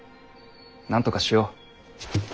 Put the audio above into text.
なんとかしよう。